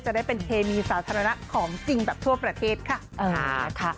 จะได้เป็นเคมีสาธารณะของจริงแบบทั่วประเทศค่ะ